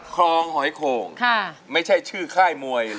ก็ร้องได้ให้ร้าน